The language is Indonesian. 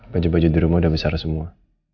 baju baju di rumah udah besar semua